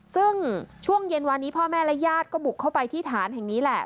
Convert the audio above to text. ซึ่งช่วงเย็นวานนี้พ่อแม่และญาติก็บุกเข้าไปที่ฐานแห่งนี้แหละ